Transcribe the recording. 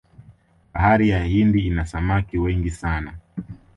bahari ya hindi ina samaki wengi sana